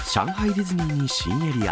ディズニーに新エリア。